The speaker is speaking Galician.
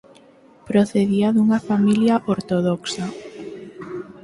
Procedía dunha familia ortodoxa.